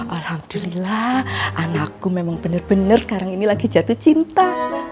alhamdulillah anakku memang benar benar sekarang ini lagi jatuh cinta